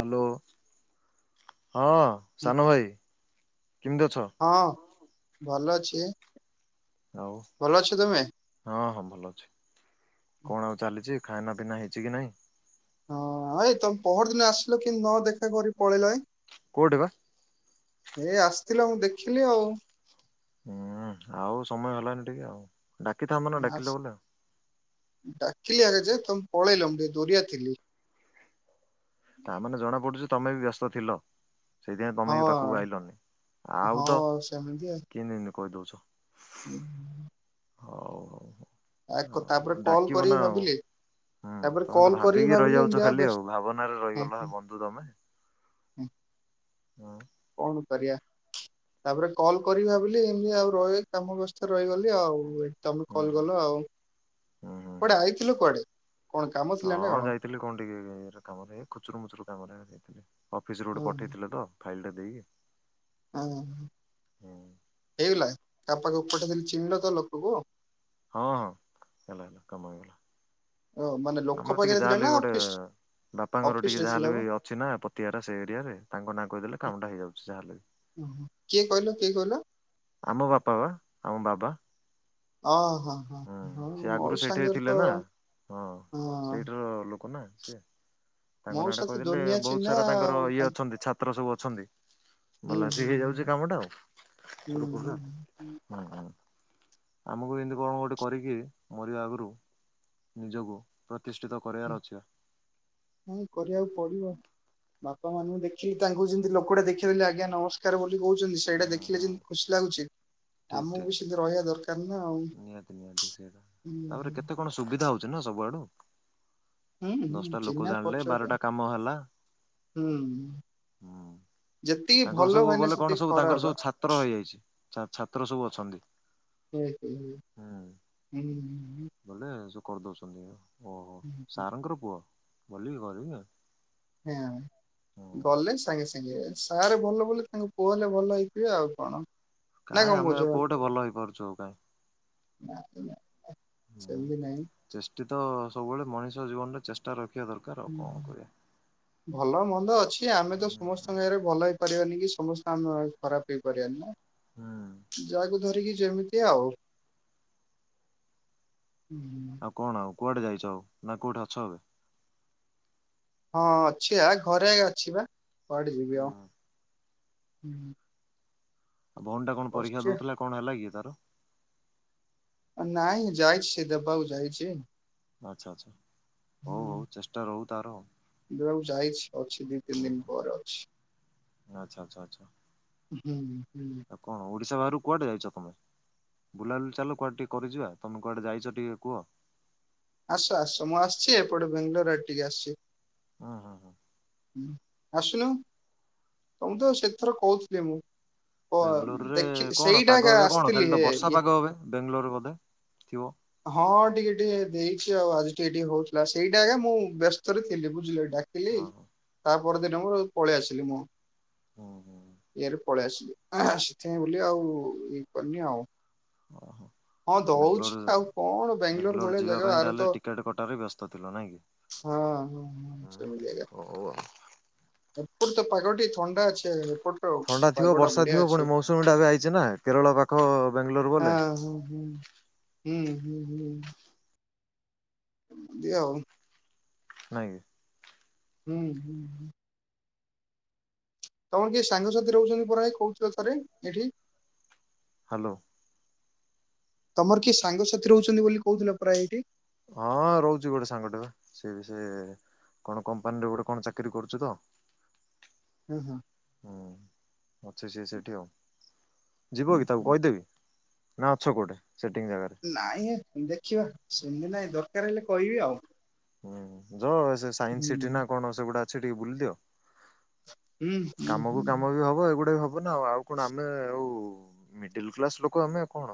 Hello ହଁ ସାନ ଭାଇ କେମିତି ଅଛ ଛି ହଉ ହଁ ହଁ ଭଲ ଅଛି କଣ ଆଉ ଚାଲିଛି ଖାନା ପିନା ହେଇଛି କି ନାଇଁ ହଁ ଏଇ ତମେ ପହର ଦିନ ଆସିଲ କିନ୍ତୁ ନ ଦେଖା କରି ପଳେଇଲ ଏ କୋଉଠି ବା ଏ ଆସ ଥିଲା ମୁଁ ଦେଖିଲି ଆଉ ହୁଁ ଆଉ ସମୟ ହେଲାନି ଟିକେ ଆଉ ଡାକିଥାନ୍ତ ନା ଆସ- ଡାକିଲ ବୋଲେ ଡାକିଲି ଆଗେ ଯେ ତମେ ପଳେଇଲ ମୁଁ ଟିକେ ଦୁରିଆ ଥିଲି ତା ମାନେ ଜଣା ପଡୁଚି ତମେ ବି ବ୍ୟସ୍ତ ଥିଲ ସେଇଥିପାଇଁ ତମେ ହଁ ବି ପାଖକୁ ଆଇଲନି ଆଉ ହଁ ତ କିିନୁ କହି ଦଉଛେ ହୁ। ତାପରେ ହଁ କଲ୍ ଡାକିବ କରିକି ନା। ଆଉ ଭାବିଲି ହୁଁ ତାପରେ ତମେ ତ କଲ୍ କରିକି ଭାବିକି ଭାବିଲି ଏମିତି ରହିଯାଉଚ ଖାଲି ବ୍ୟସ୍ତ ଆଉ ଭାବନାରେ ହୁଁ, ରହିଗଲ ହୁଁ, ବନ୍ଧୁ ତମେ। ହୁଁ। ହଁ। କଣ କରିବା? ତାପରେ କଲ କରିବି ଭାବିଲି ଏମତି ଆଉ ରହି କାମ ବ୍ୟସ୍ତରେ ରହିଗଲି ଆଉ। ତମେ ହୁଁ କଲ୍ ହୁଁ ଗଲ ଆଉ ହୁଁ ହୁଁ ହୁଁ। କୁଆଡେ ଆଇଥିଲ କୁଆଡେ? କଣ କାମ ଥିଲା ନା ହଁ କଣ? ଯାଇଥିଲି କଣ ଟିକେ କାମରେଇ ଖୁଚୁର ମୁଚୁର କାମରେ ଯାଇଥିଲି। ଅଫିସରୁ ଗୋଟେ ହଁ ପଠେଇଥିଲେ ତ ଫାଇଲଟା ଦେଇକି ହଁ ହୁଁ। ହେଇଗଲା? ତା ପାଖକୁ ପଠେଇଥିଲି ଚିହ୍ନଲ ତ ଲୋକକୁ? ହଁ ହଁ ହେଲା ହେଲା। କାମ ହେଇଗଲା। ଓ ମାନେ ଲୋକ ଆମର ଟିକେ ପାଖରେ ଥିଲା ଯାହାଲେ ନା ବି ଗୋଟେ ଅଫିସ ବାପାଙ୍କର ଅଫିସ ଟିକେ ରେ ଥିଲା ଯାହାଲେ ବି ମ ଅଛି ନା ପତିଆରା ସେ ଏରିଆରେ ତାଙ୍କ ନାଁ କହିଦେଲେ କାମଟା ହେଇଯାଉଚି ଯାହାଲେ ବି। ଓହୋ। କିଏ କହିଲ କିଏ କହିଲ ଆମ ବାପା ବା। ଆଉ ବାବା? ହଁ। ହଁ ହଁ ହୁଁ ସେ ହଁ, ମୋ ଆଗରୁ ସେଇଠି ସାଙ୍ଗରେ ଥିଲେ ତ ନା ହଁ। ସେ ତାଙ୍କ ନାଁ ଟା ମଉସା ତ କହିଦେଲେ ଦୁନିଆ ବହୁତ ଚିହ୍ନା ସାରା ତାଙ୍କର ଆଉ ଇଏ ତା- ଅଛନ୍ତି ଛାତ୍ର ସବୁ ଅଛନ୍ତି। ହୁଁ ଭଲା ସି ହୁଁ ହେଇ ଯାଉଛି କାମଟା। ହୁଁ ହୁଁ ସୁରୁଖୁରୁ ହୁଁ ରେ। ହଁ ହଁ। ଆମକୁ ଏନ୍ତି କଣ ହ କରିକି ମରିବା ଆଗରୁ ନିଜକୁ ପ୍ର ନାଇ କରିବାକୁ ପଡିବ। ବାପା ମାନଙ୍କୁ ଦେଖିଲି ତାଙ୍କୁ ଯେମିତି ଲୋକଟା ଦେଖିଦେଲେ ଆଜ୍ଞା ନମସ୍କାର ବୋଲି କହୁଚନ୍ତି ସେଇଟା ହୁଁ ଦେଖିଲେ ହୁଁ। ଯେମିତି ଖୁସି ଲାଗୁଚି। ଠିକ୍ ଆମକୁ ଠିକ୍ ବି ସିନ୍ତି ରହିବା ଦରକାର। ନା ଆଉ ନିହାତି ନିହାତି ସେଟା। ହୁଁ ତାପରେ କେତେ କଣ ସୁବିଧା ହଉଚି ନା ସବୁଆଡୁ। ହୁଁ ହୁଁ ହୁଁ, ଦଶଟା ଲୋକ ଚିହ୍ନା ଜାଣିଲେ ପରିଚୟରେ ବାରଟା କାମ ହେଲା। ହୁଁ ଯେତିକି ତାଙ୍କର ଭଲ ସବୁ ଭାଇନା ଗଲେ କଣ ସେତିକି ସବୁ ଖରାପ ତାଙ୍କର ବା ସବୁ ଛାତ୍ର ହେଇଯାଇଚି। ତା ଛାତ୍ର ସବୁ ଅଛନ୍ତି। ହଁ ହୁଁ ବଲେ କରିଦଉଚନ୍ତି ଆ ଓହୋ ସାର୍ଙ୍କର ପୁଅ? ଭଲିକି କରିବି ନା। ହଁ ଗଲେ ସାଙ୍ଗେ ସାଙ୍ଗେ ସାର୍ ଭଲ ବୋଲି ତାଙ୍କୁ ପୁଅ ହେଲେ ଭଲ ହେଇଥିବେ ଆଉ କଣ? ନା କାହିଁ କଣ ଆମେ ଆଉ କୋଉଠୁ ଭଲ ହେଇପାରୁଚୁ? ଆଉ କାହିଁ? [unintelligible] ଚାଲି ନାହିଁ। ତ ସବୁବେଳେ ମଣିଷ ଜୀବନରେ ଚେଷ୍ଟା ର ହଁ ଭଲ ମନ୍ଦ ଅଛି ଆମେ ତ ସମସ୍ତଙ୍କ ଆରେ ଭଲ ହେଇ ପାରିବାନି କି ସମସ୍ତେ ଆମ ଖରାପ ହେଇପାରିବେନି ହୁଁ। ନାଁ। ଜୟକୁ ଧରିକି ଯେମିତି ଆଉ ହୁଁ। ଆଉ କଣ ଆଉ କୁଆଡେ ଯାଇଛ ଆଉ ନା କୋଉଠି ଅଛ ଏବେ? ହଁ ଅଛି ଆ ଘରେ ଅଛି ବା। କୁଆଡେ ଯିବି ଆଉ। ହୁଁ ଭଉଣୀ ଟା କଣ ପରୀକ୍ଷା ଦଉଥିଲା କଣ ହେଲା କି? ଦାର ନାଇଁ ଯାଇଛି ସେ ଦେବାକୁ ଯାଇଛି ଆଚ୍ଛା ଆଚ୍ଛା। ହଉ ହଉ ଚେଷ୍ଟା ରହୁ। ତାର ଦେବାକୁ ଯାଇଛି ଅଛି ଦିଇ ତିନ ଦିନ ପରେ ଅଛି। ଆଛା ଆଛା ଆଛା ଆଉ କଣ ଓଡି ସା ବାହାକୁ କୁଆଡେ ଯାଇଛ ତମେ? ବୁଲାବୁଲି ଚାଲ କୁଆଡେ ଟିକେ କରିଯିବା ତମେ କୁଆଡେ ଯାଇଛ ଟିକେ କୁହ? ଆସ ଆସ ମୁଁ ଆସିଛି ଏପଟେ ବ୍ୟାଙ୍ଗୋଲୋର ଆରେ ଟିକେ ଆସିଛି। ହୁଁ ହୁଁ ହଁ ହୁଁ। ଆସୁନୁ ତମକୁ ତ ସେଥର କହୁଥିଲି ମୁଁ। ଓ ବେଙ୍ଗଲୋରରେ ଦେଖି କଣ ସେଇଟା ପାଗ ଏକା ଏବେ କଣ ଖାଲି ତ ଆସିଥିଲିହେ ବର୍ଷା ପାଗ ଏବେ ବେଙ୍ଗଲୋରରେ ବୋଧେ? ଥିବ ହଁ ଟିକେ ଟିକେ ଦେଇ ଆଉ ଆଜି ଟିକେ ଟିକେ ହଉଥିଲା ସେଇଟା ଆଜ୍ଞା ମୁଁ ବ୍ୟସ୍ତରେ ଥିଲି ବୁଝିଲେ। ଡାକିଲି। ହଁ ହଁ ତା ପରଦିନ ମୁଁର ପଳି ଆସିଲି ମୁଁ। ହୁଁ ହୁଁ ଏରୋ ପଳି ଆସିଲି ଆ ସେଥିପାଇଁ ବୋଲି ଆଉ ଏଇ ପାରୁନି ଆଉ। ଓହୋ ହଁ ଦଉଛି ବେଙ୍ଗଲୋର ଆଉ କଣ ବ୍ୟାଙ୍ଗୋଲୋର ଭଳିଆ ଜାଗା ଆରେ ତ ସ୍ତ ଥିଲ ନାଇଁ କି। ହଁ ହଁ ହ ସେମିତି ଆଜ୍ଞା। ହଉ ଆଉ। ଏପଟେ ତ ପାାଗ ଟିକେ ଥଣ୍ଡା ଅଛି ଏପଟର ଥଣ୍ଡା ଥିବ ପାଗଟା ବର୍ଷା ବଢିଆ ଥିବ ଅଛି। ପୁଣି ମୌସୁମୀ ଟା ଏବେ ଆଇଛି ନା କେରଳ ପାଖ ବ୍ୟାଙ୍ଗଲୋର ହଁ ବୋଲେ। ହଁ ହଁ। ହୁଁ ହୁଁ ହୁଁ ଦିଆଉ ନାଇଁ କି। ହୁଁ ହୁଁ। ତମର କିଏ ସାଙ୍ଗସାଥି ରହୁଛନ୍ତି ପରା କହୁଥିଲ ଥରେ ଏଇଠି। ହ୍ୟାଲୋ। ତମର କିଏ ସାଙ୍ଗସାଥି ରହୁଛନ୍ତି ବୋଲି କହୁଥିଲ ପ୍ରାୟ ଏଇଠି। ହଁ ରହୁଛି ଗୋଟେ ସାଙ୍ଗଟେ ସେ ବି ସେ କଣ କମ୍ପାନୀରେ ଗୋଟେ କଣ ଚାକିରୀ କରୁଛୁ ତ। ହଁ ହଁ ହୁଁ ଅଛି ସିଏ ସେଠି ଆଉ ଯିବ ହୁଁ। କି ତାକୁ କହିଦେବି। ନା ଅଛ କୋଉଠି? ସେଟିଂ ଜାଗାରେ ନାଇଁହେ ଦେଖିବା [unintelligible] ନାଇଁ। ଦରକାର ହେଲେ କହିବି ଆଉ। ହୁଁଁ। ର ସେ ସାଇନସ ହୁଁ ସିଟି ନା କଣ ସେଗୁଡା ସେ ଟିକେ ବୁଲଦିଅ। [unintelligible] କାମ କୁ ହୁଁ କାମ ବି ହବ ଏଗୁଡା ବି ହବ। ହବ ନା ଆଉ କଣ ଆମେ ଆଉ ମିଡିଲ କ୍ଲାସ୍ ଲୋକ ଆମେ ଆଉ କଣ?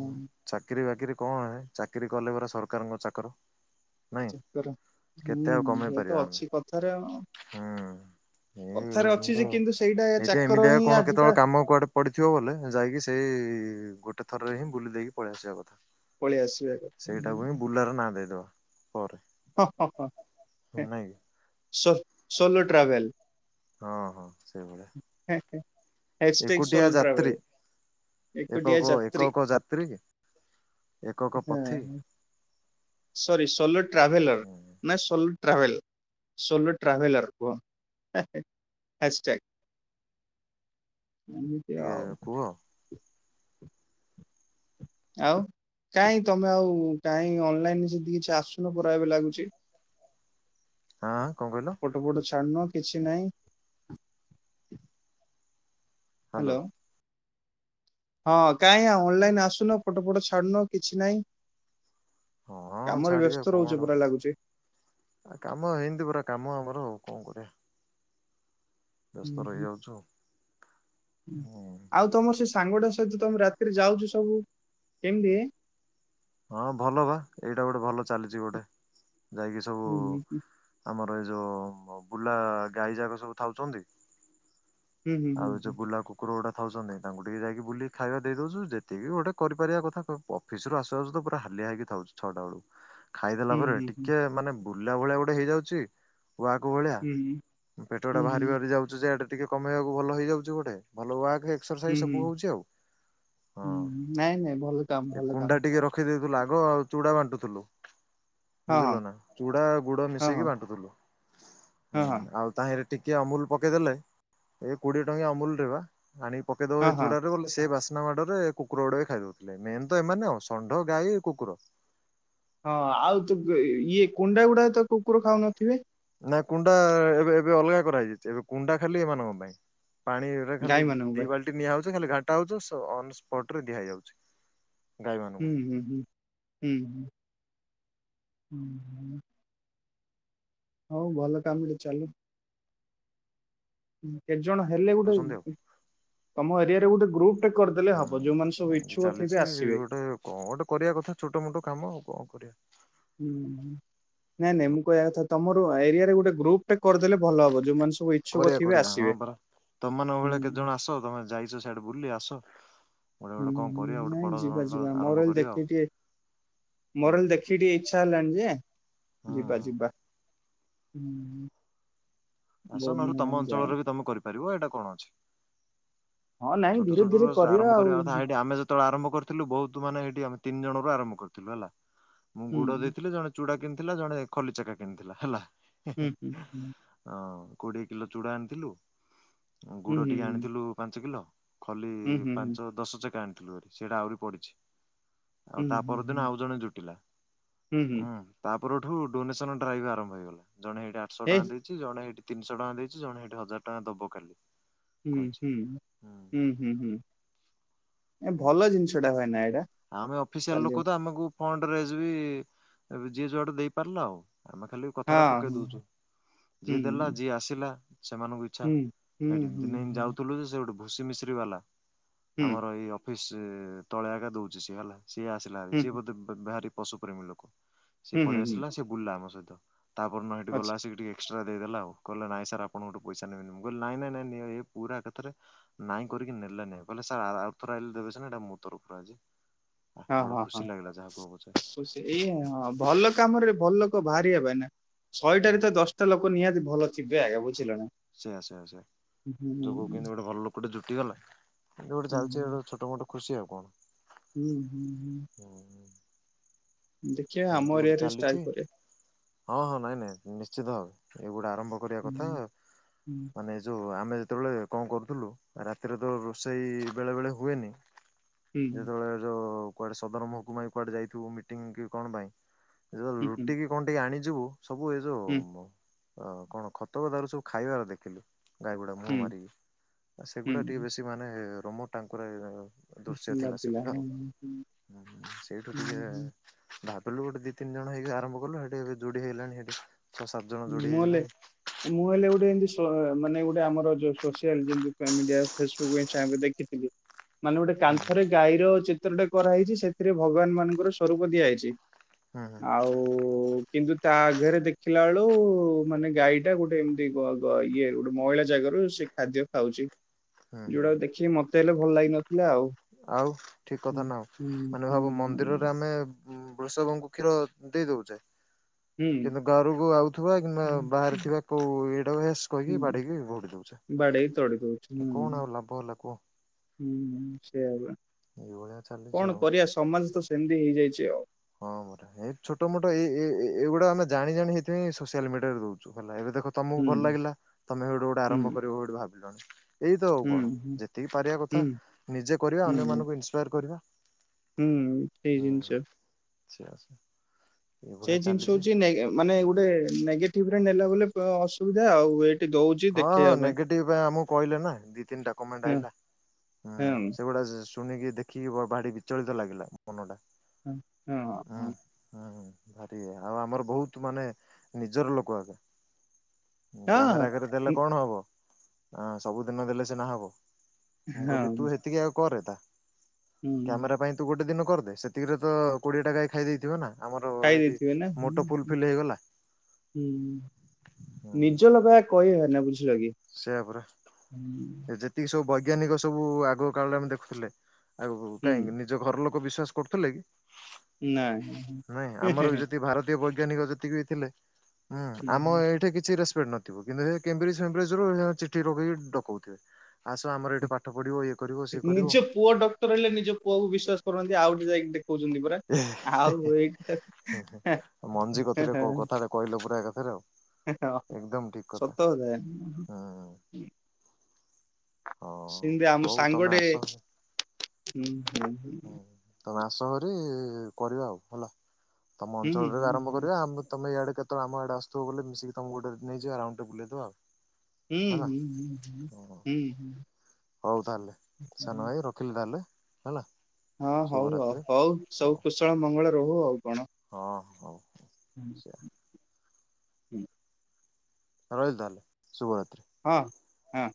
ହଁ ଚାକିରି ବାକିରି। କଣ ଚାକିରି କଲେ ପରା ସରକାରଙ୍କ ଚାକର। ନାଇଁ ଚାକର ହୁଁ କେତେ ଆଉ କମେଇ ସେ ତ ପାରିବା ଆମେ ଅଛି କଥାରେ ଆଉ। ହୁଁ କଥାରେ ଅଛି ଏଇ ଯେ କିନ୍ତୁ ସେଇଟା ଏ ଚାକର ଏମିତିଆ ହିଁ କଣ ଆଜିକା କେତେବେଳେ କାମ କୁଆଡେ ପଡିଥିବ ବଲେ ଯାଇକି ସେଇ ଗୋଟେ ଥରରେ ହିଁ ବୁଲି ଦେଇକି ପଳଆସିବା କଥା। ପଳେଇ ଆସିବା ସେଇଟାକୁ ହିଁ କଥା। ବୁଲାର ନାଁ ଦେଇଦବା ପରେ ହଁ ହଁ ହଁ ନାଇଁ ସ ସୋଲୋ ଟ୍ରାଭେଲ୍। ହଁ ହଁ ସେଇଭଳିଆ। ହ୍ୟାସଟ୍ୟାଗ ଏକୁଟିଆ ସୋଲୋ ଟ୍ରାଭେଲ ଯାତ୍ରୀ ଏକୁଟିଆ ଏକକ ଯାତ୍ରୀ ଏକକ ଯାତ୍ରୀ ଏକକ ହଁ ପଥୀ। ସରି ସୋଲୋ ଟ୍ରାଭେଲର ନାଇଁ ସୋଲୋ ଟ୍ରଭେଲ ସୋଲୋ ଟ୍ରଭେଲର କୁହନ୍ତି ହେ ହେ ହ୍ୟାଷ୍ଟେକ୍। ଏମିତି ଆଉ। କୁହ ହଁ ଆଉ କାହିଁ ତମେ ଆଉ କାହିଁ ଅନଲାଇନରେ ସେମିତି କିଛି ଆସୁନି ପରା ଏବେ ଲାଗୁଛି। ହାଁ କଣ କହିଲ? ଫଟୋ ଫଟ ଛାଡୁନ କିଛି ନାହିଁ। ହ୍ୟାଲୋ। ହଁ କାଇଁ ଆଉ ଅନଲାଇନ୍ ଆସୁନ ଫଟୋ ଫଟ ଛାଡୁନ କିଛି ନାଇଁ। ହଁ ଛାଡିବି କଣ ପରା ଲାଗୁଛି ଆ କାମ ଏମିତି ପୂରା କାମ ଆମର ଆଉ। [unintelligible] ବ୍ୟସ୍ତ ରହିଯାଉଛୁ ଆଉ ତମ ସେ ସାଙ୍ଗଟା ସହିତ ତମେ ରାତିରେ ଯାଉଛ ସବୁ କେମତି ହଁ ଭଲ ବା ଏଇଟା ଗୋଟେ ଭଲ ଚାଲିଛି ଗୋଟେ। ଯାଇକି ସବୁ ହୁଁ ହୁଁ ହୁଁ ଆମର ଆମର ଏ ଯୋଉ ବୁଲା ଗାଈ ଯାକ ସବୁ ଥାଉଛନ୍ତି, ହୁଁ ହୁଁ ଆଉ ଯୋଉ ବୁଲା କୁକୁର ଗୋଡା ଥାଉଛନ୍ତି ତାଙ୍କୁ ଟିକେ ଯାଇକି ବୁଲି ଖାଇବା ଦେଇଦଉଚୁ, ଯେତିକି ଗୋଟେ କରିପାରିବା କଥା ଅଫିସରୁ ଆସୁ ତା ସହିତ ପୁରା ହଲିଆ ହେଇକି ଥାଉଛ ଛଅଟା ବେଳକୁ ଖାଇଦେଲା ହୁଁ ପରେ ଟିକେ ହୁଁ ମାନେ ବୁଲିଲା ଭଳିଆ ଗୋଟେ ହେଇଯାଉଛି, କୁଆଙ୍କ ଭଳିଆ ହୁଁ ହୁଁ ହୁଁ ପେଟଟା ହୁଁ ବାହାରି ବାହାରି ହୁଁ ଯାଉଛି ଯେ, ଟିକେ କମେଇବାକୁ ଭଲ ହେଇଯାଉଛି ଗୋଟେ ଭଲ ୱା ହୁଁ ହୁଁ ହଁ ହୁଁ ନାଇଁ ନାଇଁ ଭଲ କାମ ଭଲ କାମ, ରଖେଇଦଉଥିଲୁ ଆଗ ଆଉ ଚୁଡା ବାଣ୍ଟୁଥିଲୁ ହଁ ବୁଝିଲ ନା ଚୁଡା ଗୁଡ ହଁ ମିଶେଇକି ହଁ ବାଣ୍ଟୁଥିଲୁ, ହଁ ହୁଁ ହଁ ହଁ ଆଉ ତାହିଁରେ ଟିକେ ଅମୁଲ ପକେଇଦେଲେ ଏଇ କୋଡିଏ ଟଙ୍କିଆ ଅମୁଲ ଟେ ବା ଆଣିକି ପକେଇ ଦବ ହଁ ସେ ହଁ ଚୁଡାରେ ବୋଲେ ସେ ବାସ ମାଡରେ କୁକୁର ଗୁଡା ବି ଖାଇଦଉଥିଲେ ମେନ ତ ଏମାନେ, ଷଣ୍ଢ, ଗାଈ, କୁକୁର, ହଁ ଆଉ ତ ଇଏ କୁଣ୍ଡା ଗୁଡା ତ କୁକୁର ଖାଉନଥିବେ? ନାଇ କୁଣ୍ଡା ଏବେ ଏବେ ଅଲଗା କରା ହେଇଯାଇଛି ଏବେ କୁଣ୍ଡା ଖାଲି ଏମାନଙ୍କ ପାଇଁ, ପାଣିରେ ଖାଲି ଗାଈ ମାନଙ୍କ ଦି ପାଇଁ ବାଲ୍ଟି ନିଆହଉଛି ଖାଲି ଘାଟା ହଉଚି ଅନସ୍ପଟରେ ଦିଆଯାଉଛି, ହୁଁ ହୁଁ ହୁଁ ହୁଁ ହ ହୁଁ ହୁଁ, ହଉ ଭଲ କାମରେ ଚାଲୁ, ହୁଁ, ଜଣ ହେଲେ ଦଉଛନ୍ତି ଆଉ ଗୋଟେ ତମ ଏରିଆ ରେ ଗୋଟେ ଗ୍ରୁପ ଟେ କରିଦେଲେ ହବ ଯୋଉମାନେ ସବୁ ହୁଁ ଇଚ୍ଛୁକ ଥିବେ ଚାଲିଛି ଆସିବେ ଗୋଟେ କଣ ଗୋଟେ କରିବା କଥା ଛୋଟ ମୋଟ କାମ ଆଉ କଣ କରିବା, ହୁଁ ନାଇଁ ନାଇଁ ମୁଁ କହିବା କଥା ତମର ଏରିଆରେ ଗୋଟେ ଗ୍ରୁପ ଟେ କରିଦେଲେ ଭଲ ହବ ଯୋଉମାନେ ସବୁ ଇଚ୍ଛୁକ କରିବା ଥିବେ କରିବାଆ ହଁ ଆସିବେ ପରା ତମ ମାନଙ୍କ ହୁଁ ଭଳିଆ କେତେ ଜଣ ଆସ ତମେ ଯାଇଛ ସିଆଡେ ବୁଲି ଆସ ଗୋଟେ ଗୋଟେ ହୁଁ କଣ କରିବା ଗୋଟେ ବଡ ନାଇଁ ଯିବା ଧରଣର ଯିବା ଆରମ୍ଭ ମୋର ଏଲେ କରିବା ଆଉ ଦେଖିକି ଟିକେ ହୁଁ ମୋର ଏଲେ ଦେଖିକି ଟିକେ ଇ ଇଛା ହେଲାଣି ଯେ ହୁଁ ଯିବା ହୁଁ ଯିବା। ହୁଁ। ଆସ ବହୁତ ନହଲେ ଦିନ ହେଲାଣି ତମ ଯାଇନି ଅଞ୍ଚଳରେ ବି ତମେ କରିପାରିବ ଏଇଟା କଣ ଅଛି? ହଁ ନାଇଁ ଛୋଟ ଧୀରେ ଛୋଟ ଧୀରେ ର ଆରମ୍ଭ ଆଉ କରିବା କଥା ହେଠି ଆମେ ଯେତେବେଳେ ଆରମ୍ଭ କରିଥିଲୁ ବହୁତ ମାନେଠ ଆମେ ତିନି ଜଣରୁ ଆରମ୍ଭ କରିଥିଲୁ ହେଲା। ମୁଁ ହୁଁ ଗୁଡ ଦେଇଥିଲି ଜଣେ ଚୂଡା କେ ଥିଲା ଜଣେ ଖଲିଚକା କିଣିଥିଲା ହେଲା। ହୁଁ ହୁଁ ହୁଁ। ହଁ କୋଡିଏ କିଲୋ ଚୁଡା ଆଣିଥିଲୁ। ହୁଁ ଗୁଡ଼ ଟିକେ ହୁଁ ଆଣିଥିଲୁ ପାଞ୍ଚ କିଲୋ ଖଲି ହୁଁ ହୁଁ ପାଞ୍ଚ ଦଶ ଚକଣ୍ ସେଇଟା ଆହୁରି ପଡିଛି। ଆଉ ହୁଁ ତା ହୁଁ ପରଦିନ ଆଉ ଜଣେ ଜୁଟିଲା ହୁଁ ହୁଁ ହୁଁ ଉୁଁ ତା ଉପଠ ଡୋନସନ ଡ୍ରାଇଭ ଆରମ୍ଭଇଗଲା ଜଣେଇଠିଠଶହ ଏ ଟଙ୍କା ଦେଇଛି। ଜଣେ ଏଇଠି ତିନିଶହ ଟଙ୍କା ଦେଇଛି ଜଣେ ସେଇଠି ହଜାର ଟଙ୍କା ଦବୁ କାଲି। ହୁଁ କହିଛି ହୁଁ ହୁଁ ହୁଁ ହୁଁ। ଏ ଭଲ ଜିନିଷ ଟା ହଏ ନା ଏ ଆମେ ଅଫିସିଆଲ ଲୋକ ତ ଆମକୁ ଫଣ୍ଡ ରେ ବି ଯିଏ ଯୁଆଡେ ଦେଇପାରିଲା ଆଉ। ଆମେ ଖାଲି କଥା ଟା ପକେଇ ହଁ ଦଉଛୁ ହୁଁ ଯିଏ ଦେଲା ଯିଏ ଆସିଲା। ସେମାନଙ୍କୁ ଇଚ୍ଛା ହୁଁ ହୁଁ ସେଇଠି ହୁଁ ଦିନେ ହୁଁ ଯାଉଥିଲୁ ଯେ ସେ ଗୋଟେ ଘୁସି ମିଶ୍ରୀ ବାଲା ହୁଁ ଆମର ଏଇ ଫି ତଳିଆ ଏକା ଦଉଛି। ଯୁଶି ଗଲା ସିଏ ଆସିଲା ହୁଁ ସିଏ ବୋଧେହାରି ପଶୁ ପ୍ରେମୀ ଲୋକ ସେ ହୁଁ ହୁଁ ପଳ ହୁଁ ଆସିଲା ସେ ବୁଲିଲା ଆମ ସହିତ ତ। ତାପର ଦିନ ସେଠି ଗଲା ଅଛି ଆସିକି ଟିକେ ଏକ୍ସ ଟ୍ରା ଦେଇଦେଲା ଆଉ କହିଲା ନାଇଁ ସାର୍ ଆପଣ ଙ୍କ ଠୁ ପଇଶା ନେବେନି ମୁଁ କହିଲେ ନାଇଁ ନାଇଁ ନାଇଁଁ ନିଅ ଏ ପୁରା ଏକାଥରେ ନାଇଁ କରିକି ନେଲା ନି ଆଉ କହିଲା ସାର୍ ଆଉଥରେ ଆଇଲେ ଦେବେ ଇଟା ମୋ ତରଫରୁ ଆଜି। ଆଃ ହଁ ବଡ ହଁ ହଁ ଖୁସି ଲାଗିଲା ଯାହା କୁହ ପଛେ ସେ ଏଇ ହଁ ଭଲ କାମରେ ଭଲ ଲୋକ ବାହାର। ରିବେନା। ହୁଁ ଶହେଟାରେ ତ ଦଶଟା ଲୋକ ନିହାତି ଭଲ। ଥିବେ ଏକା ବୁଝିଲ ନା ସେୟା ସେୟା ହୁଁ ହୁଁ ଜୁଟି ଗଲା। ଏବେ ଗୋଟେ ଚାଲିଛି ଗୋଟ ଛୋଟ ମୋଟ। ଖୁସି ଆଉ କଣ। ହୁଁ ହୁଁ ହୁଁ। ଦେଖିବା ଆମ ଏମିତି ଗୋଟେ ଏରିଆରେ ଷ୍ଟାର୍ଟ ଚାଲିଛି କରିବା ହଁ ହଁ ନାଇଁ ନାଇଁ ନିଶ୍ଚିତ ଭବେ। ଏଗୁଡା। ଆରମ୍ଭ କରିବା ହୁଁ କଥା ହୁଁ ମାନେ ଯୋଉ ଆମେ। ସେତେବେଳେ କଣ କରୁଥିଲୁ ରାତିରେ ତ ରୋଷେଇ ବେଳେ ବେଳେ ହୁଏନି। ଯେତେବେଳେ ଯୋଉ। କୁଆଡେ ସଦର ମହକୁମା କୁଆଡେ ଯଥିବ ମିଟିଂ କି କଣ ପାଇଁ। ରୁଟି କି କଣ ଟିକେ ଆଣିକ ଯିବୁ। ସବୁ ଏ ଯୋଉ ମ କଣ ଖତ ଖତଗଦାରୁରୁ ସବୁ ଖାଇବାର ଦେଖିଲୁ। ଗାଈ ଗୁଡା ମୁହଁ ମାରି ସେଗୁଡା ଟିକେ ବେଶୀ ମାନେ। ରୋମୋ ଟାଙ୍କୁରା ହେଇଗଲ ଦୃଶ୍ୟ ଥିଲା ବାଧିଲା ସେଗୁଟା ମୁଁ ଆଉ ସେଇଠୁ ଟିକେ। ଭାବିଲୁ ଗୁଟେ ଦିଇ ତିନି ଜଣ ହେଇକି ଆରମ୍ଭ କଲୁ ସେଠି ଏବେ ଯୋଡି ହେଇଗଲେଣି ସେଠି। ଛଅ ସାତ ଜଣ ଯୋଡି ମୁଁ ଏଲେ ହେଇଗଲାଣି ମୁଁ ହଲେ ଗୋଟେ ଏମତି ଶୁଣି। ତୁହାଳ ମାନେ ଗୋଟେ ଆମର ଯଉ ସୋସିଆଲ ଯେମିତି ଫେମ ଇଣ୍ଡିଆ ଫେସବୁକ୍ ଇନ୍ଷ୍ଟାଗ୍ରାମ ଦେଖିଥିଲୁ। ମାନେ ଗୋଟେ କାନ୍ଥରେ ଗାଈର ଚି ଚିତ୍ରଟା କରାହେଇଛି ସେଥିରେ ଭଗବାନ ମାନଙ୍କର ସ୍ୱରୂପ ଦିଆଯାଇଛି। ହୁଁ ହୁଁ ଆଉ। କିନ୍ତୁ ତା ଆଘରେ ଦେଖିଲା ବେଳ ଳୁ ମାନେ ଗାଈଟା ଗୋଟେ ଏମିତି ଇଏ ଗୋଟେ ମହିଳା ଜାଗାରୁ ସେ ଖାଦ୍ୟ ଖାଉଛି ହୁଁ ହୁଁ ହୁଁ ଯୋଉଟାକୁ ଦେଖିକି ମତେ ହେଲେ ଭଲ ଲାଗିିନଥିଲା ଆଉ। ଆଉ ଠିକ ହୁଁ କଥା ନା ଆଉ ହୁଁ ମାନେ ଭାବୁ ମନ୍ଦିରରେ ଆମେ ବୃଷଭଙ୍କୁ କ୍ଷୀର ଦେଇ ଦଉଛେ ହୁଁ ହୁଁ। କିନ୍ତୁ ଘରକୁ ଆଉଥିବା କିମ୍ବା ହୁଁ, ବାହାରେ ଥିବା କୋଉ ଏଇଡାସ କହିକି ହୁଁ, ବାଡିକି ଘୋଡି ଦଉଛେ ବାଡେଇ ତଡି ଦଉଛି ହୁଁ କଣ ଆଉ ଲାଭ ହେଲା କୁହ ହୁଁ ସେଇଆ ବା ଏଇଭଳିଆ କଣ ଚାଲିଛି ଆଉ କରିବା ସମାଜ ତ ସେମିତି ହେଇଯାଇଛି ଆଉ ହଁ ମରା ଏଇ ଛୋଟ ମୋଟ ଏଇ ଏଇଗୁଡା ଆମେ ଜାଣି ଜାଣି ସେଥିପାଇଁ ସୋସିଆଲ ମିଡିରେ ଦଉଛୁ ହେ ଏ ଦେ ତମକୁ ହୁଁ ଭଲ ଲାଗିଲା ତମେ ସେଇଟୁ ଗୋଟେ ଆରମ୍ଭ ହୁଁ କରିବୋଠି ଭାବିଲୁଣି ଏଇତ ଆଉ ହୁଁ କଣ ହୁଁ ଯେତିକି ପାରିବା କଥା ନିଜେ କରିବା ହୁଁ ହୁଁ ଅନ୍ୟମାନଙ୍କୁ କରିବା ହୁଁ ସେଇ ଜିନିଷ ଆା ଆଛି ସେ ଜିନିଷ ହଉଛି ମାନେ ଗୋଟେ ନେଗେଟିଭ ରେ ନେଲା ବ ସୁବିଧାଉ ହଁ ହଁ ନେଗେଟିଭ ଆମକୁ କହିଲେ ନା ଦି ତିନିଟା କମେଣ୍ଟ ହଁ ଆହିଲାଁ ହଁ ସେଗୁଡା ଶୁଣିକି ଦେଖିକି ବ ଭାରି ବିଚଳିତ ଲାଗିଲା ମନଟା ହଁ ହଁ ହୁଁ ହ ହୁଁ ଭାରି ଆଉ ଆମର ବହୁତ ମାନେ ନିଜର ଲୋକ ଆଗେ ହଁ କ୍ୟାମେରାରେ ଲେ କଣ ହବ ହ ସବୁଦିନ ଦେଲେ ସ ନା ହବ ମୁଁ ହଁ କହିଲି ତୁ ହଁ ସେତିକି ଆଉ କରେତା ହୁଁ କ୍ୟାମେରା ପାଇଁ ତୁ ଗୋଟେ ଦିନ କରିଦେ ସେତିକରେ ତ କୋଡିଏ ଟାଈ ଖାଇ ଦେଇେଇଥିବ ନା ଆମର ଖାଇ ହେଇଠି ଦେଇେଇଥିବେ ନାଁ ମୋଟୋ ଫୁଲଫିଲ୍ ହେଇଗଲା ନିଜ ଲଭ କହି ହଏ ନା ବୁଝିଲ କି ସେୟଆ ପରା ଯେତିକି ସବୁ ଭ ବୈଜ୍ଞାନିକ ସବୁ ଆଗ କାଳରେ ଆମେ ଦେଖୁଥିଲେ ଆଉ ହୁଁ କାହିଁକି ନିଜ ଘର ଲୋକ ବିଶ୍ଵାସ କରୁଥିଲେ କି ନାଇଁ ଆମର ବି ଯଦି ଭାରତୀୟ ବ ବୈଜ୍ଞାନିକ ଯେତିକି ଥିଲେ ହୁଁ ଆମ ନାଇଁ ଏଇଠି କିଛି ନଥିବ କିନ୍ତୁ ଚିଠି ରଖେଇି ଡକଉଥିବେ ଆସ ଆମର ଏଠି ପାଠ ପଢିବ କରିବ ସିଏ କରିବ ନିଜ ପୁଅ ଡକ୍ଟର ହେଲେ ନିଜ ପୁଅକୁ ବିଶ୍ାସ କରନ୍ତି ଆଉ ଗେ ଯାଇକି ଦେଖଉଛି। ପା ଆଉ ଏଇ ହଉ। ସତଥା ହୁଁ ହଉ ସେମିତି ଆମ ହଉ ତମେ ସାଙ୍ଗଟେ ଆସ ହୁଁ। ହୁଁ ହଁ। ମାସ ଭରି କରିବା ଆଉ ହେଲା। ତମ ହୁଁ ଅଞ୍ଚଳରେ ହୁଁ ଆରମ୍ଭ ହୁଁ କରିବା ଆମେ ତମେ ଇଆଡେ କେତେଳେ ଆମ ଆଡେ ଆସୁଥିବ ବଲେ ମିଶିକି ତମକୁ ଗୋଟେ ନେଇଯିବା ରାଉଣ୍ଡ ଟେ ବୁଲେଇ ଦବା ଆଉ। ହୁଁ ହେଲା ହୁଁ ହୁଁ ହଁ ହୁଁ ହୁଁ। ହଉ ତାହେଲେ ହୁଁ ସାନ ହୁଁ ଭାଇ ରଖିଲ ତା ତାହେଲେ ହେଲା। ହଁ ହଉ ହଉ ଶୁଭରାତ୍ରି ହଉ ସବୁ କୁଶଳ ମଙ୍ଗଳ ରହୁ ଆଉ କଣ ହଁ ହଁ। [inaudible] [inaudible] ରହିଲି ତାହେଲେ ଶୁଭର ହଁ ହଁ।